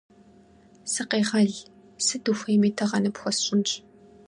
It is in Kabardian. - Сыкъегъэл! Сыт ухуейми тыгъэ ныпхуэсщӀынщ!